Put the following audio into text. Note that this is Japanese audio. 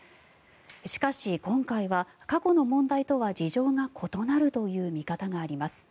しかし、今回は過去の問題とは事情が異なるという見方があります。